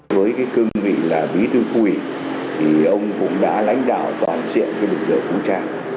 với cái cương vị là bí thư khu ủy thì ông cũng đã lãnh đạo toàn diện lực lượng vũ trang